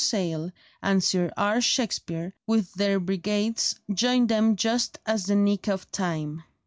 Sale and Sir R. Shakespear with their brigades joined them just at the nick of time.